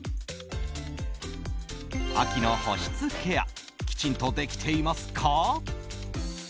秋の保湿ケアきちんとできていますか？